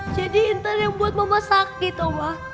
jadi intan yang membuat mama sakit oma